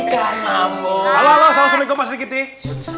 halo halo salam assalamualaikum pak sergitir